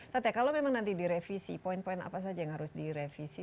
tata kalau memang nanti direvisi poin poin apa saja yang harus direvisi